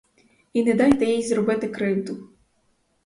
І не дайте їй зробити кривду.